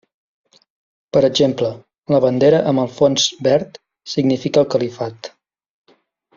Per exemple, la bandera amb el fons verd significa el califat.